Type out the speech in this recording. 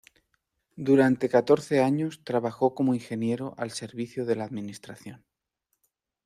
Durante catorce años trabajó como Ingeniero al servicio de la Administración.